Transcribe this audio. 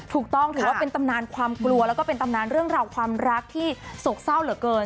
ถูกต้องถือว่าเป็นตำนานความกลัวแล้วก็เป็นตำนานเรื่องราวความรักที่โศกเศร้าเหลือเกิน